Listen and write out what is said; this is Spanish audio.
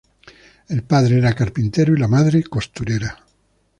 El padre era carpintero y la madre costurera.